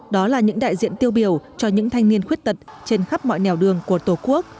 đó là những đại diện tiêu biểu cho những thanh niên khuyết tật trên khắp mọi nẻo đường của tổ quốc